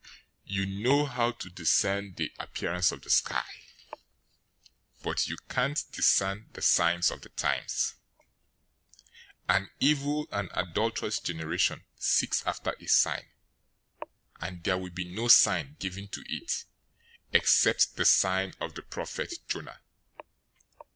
You know how to discern the appearance of the sky, but you can't discern the signs of the times! 016:004 An evil and adulterous generation seeks after a sign, and there will be no sign given to it, except the sign of the prophet Jonah."